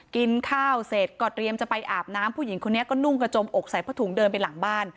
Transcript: กินข้าวเสร็จก็เตรียมจะไปอาบน้ำผู้หญิงคนนี้ก็นุ่งกระจมอกใส่ผ้าถุงเดินไปหลังบ้าน